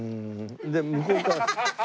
で向こうから。